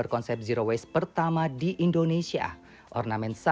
konsumen yang mendapatkan produk yang luar biasa